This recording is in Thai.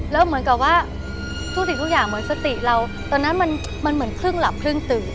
แล้วเหมือนกับว่าทุกสิ่งทุกอย่างเหมือนสติเราตอนนั้นมันเหมือนครึ่งหลับครึ่งตื่น